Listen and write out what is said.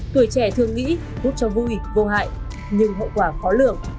tuổi trẻ thường nghĩ hút cho vui vô hại nhưng hậu quả khó lượng